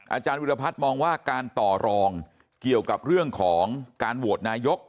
อาจารย์วิรพัฒน์มองว่าการต่อรองเกี่ยวกับเรื่องของการโหวตนายก